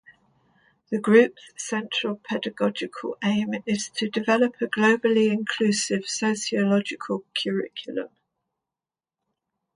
The group's central pedagogical aim is to develop a globally inclusive sociological curriculum.